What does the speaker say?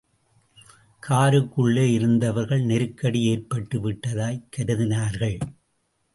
காருக்குள்ளே இருந்தவர்கள் நெருக்கடி ஏற்பட்டு விட்டதாய்க் கருதினார்கள்.